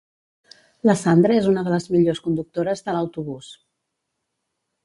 La Sandra és una de les millors conductores de l'autobús